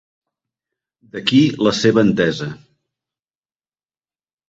D'aquí la seva entesa.